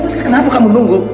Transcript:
lihatlah kenapa kamu nunggu